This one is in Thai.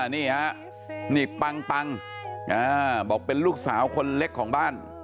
นี่ฮะนี่ปังบอกเป็นลูกสาวคนเล็กของบ้าน